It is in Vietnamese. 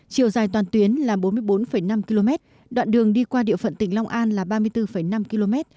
chiều dài toàn tuyến là bốn mươi bốn năm km đoạn đường đi qua địa phận tỉnh long an là ba mươi bốn năm km